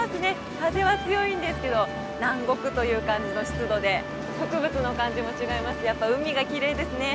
風は強いんですけど南国という感じの湿度で植物の感じも違いますしやっぱ海がきれいですね。